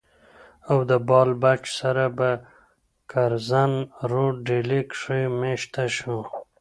او د بال بچ سره پۀ کرزن روډ ډيلي کښې ميشته شو